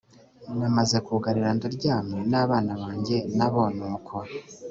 namaze kwugarira, ndaryamye, n'abana banjye nabo ni uko;